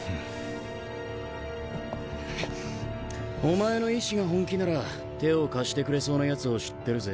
お前の意志が本気なら手を貸してくれそうなヤツを知ってるぜ。